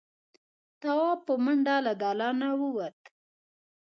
تواب په منډه له دالانه ووت.